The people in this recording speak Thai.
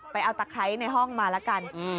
ไปเอาตะไคร้ในห้องมาละกัน